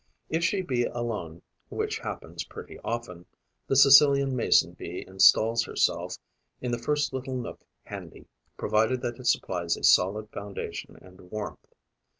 If she be alone, which happens pretty often, the Sicilian Mason bee instals herself in the first little nook handy, provided that it supplies a solid foundation and warmth.